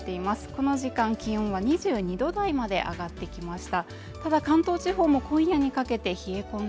この時間気温は２２度台まで上がってきました